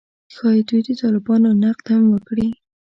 ښايي دوی د طالبانو نقد هم وکړي